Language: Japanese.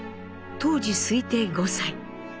当時推定５歳。